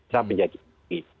sampai jadi ini